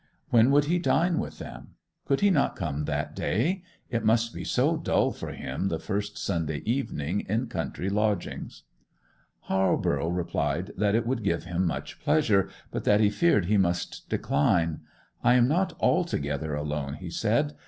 When would he dine with them? Could he not come that day—it must be so dull for him the first Sunday evening in country lodgings? Halborough replied that it would give him much pleasure, but that he feared he must decline. 'I am not altogether alone,' he said.